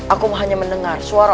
aku hanya mendengar suara